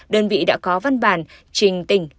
đơn vị đã có văn bản trình tình